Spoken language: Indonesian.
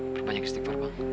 berbanyak istighfar bang